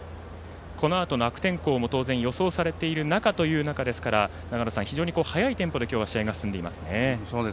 このあとの悪天候も当然予報されている中ということですから長野さん、非常に速いテンポで試合が進んでいますね。